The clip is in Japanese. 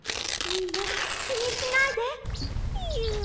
いいよきにしないで！にゅ。